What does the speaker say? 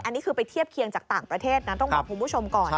อันนี้คือไปเทียบเคียงจากต่างประเทศนะต้องบอกคุณผู้ชมก่อน